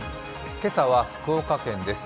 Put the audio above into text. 今朝は福岡県です。